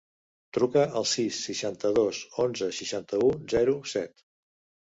Truca al sis, seixanta-dos, onze, seixanta-u, zero, set.